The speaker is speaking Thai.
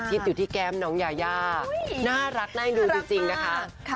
ติดอยู่ที่แก้มน้องยาย่าน่ารักน่าจะรู้จริงนะคะ